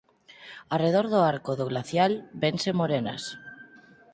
Arredor do arco do glacial vénse morenas.